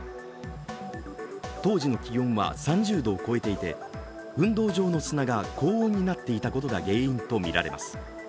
当時の気温は３０度を超えていて、運動場の砂が高温になっていたことが原因とみられます。